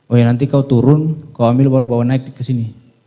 oh ya nanti kau turun kau ambil bawa naik ke sini